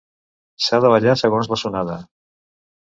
S'ha de ballar segons la sonada.